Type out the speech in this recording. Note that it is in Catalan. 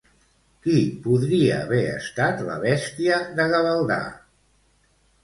Qui podria haver estat la bèstia de Gavaldà?